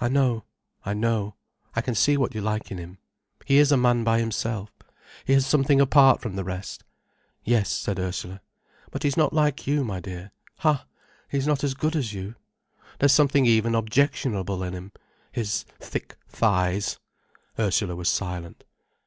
"I know—I know. I can see what you like in him. He is a man by himself, he has something apart from the rest." "Yes," said Ursula. "But he's not like you, my dear—ha, he's not as good as you. There's something even objectionable in him—his thick thighs—" Ursula was silent.